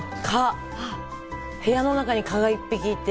部屋の中に蚊が１匹いて。